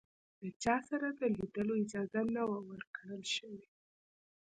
له چا سره د لیدلو اجازه نه وه ورکړل شوې.